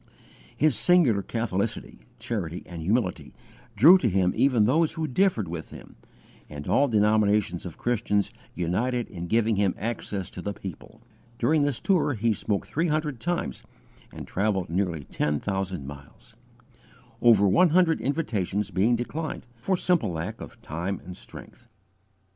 His singular catholicity, charity, and humility drew to him even those who differed with him, and all denominations of Christians united in giving him access to the people. During this tour he spoke three hundred times, and travelled nearly ten thousand miles; over one hundred invitations being declined, for simple lack of time and strength.